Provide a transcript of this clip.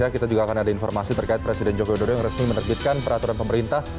kita juga akan ada informasi terkait presiden joko widodo yang resmi menerbitkan peraturan pemerintah